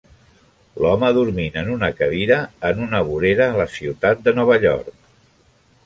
L'home dormint en una cadira en una vorera a la ciutat de Nova York.